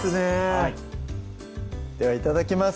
はいではいただきます